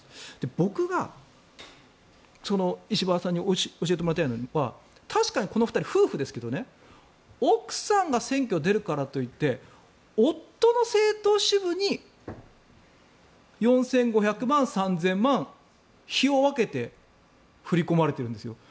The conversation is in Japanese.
僕が石破さんに教えてもらいたいのは確かにこの２人夫婦ですけどね奥さんが選挙に出るからといって夫の政党支部に４５００万、３０００万日を分けて振り込まれているんですよ。